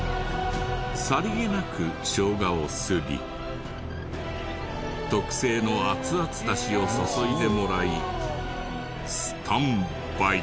さりげなくショウガをすり特製の熱々だしを注いでもらいスタンバイ。